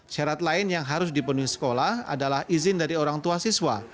syarat lain yang harus dipenuhi sekolah adalah izin dari orang tua siswa